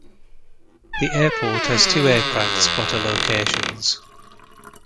The airport has two aircraft spotter locations.